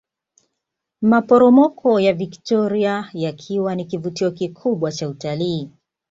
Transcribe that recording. Maporomoko ya Viktoria yakiwa ni kivutio kikubwa cha utalii